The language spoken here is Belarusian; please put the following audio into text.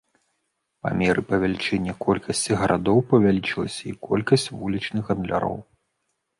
Па меры павелічэння колькасці гарадоў павялічылася і колькасць вулічных гандляроў.